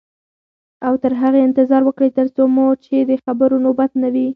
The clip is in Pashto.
او تر هغې انتظار وکړئ تر څو مو چې د خبرو نوبت نه وي.